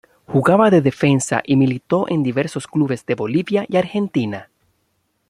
Jugaba de defensa y militó en diversos clubes de Bolivia y Argentina.